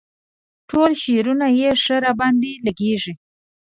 ټول شعرونه یې ښه راباندې لګيږي.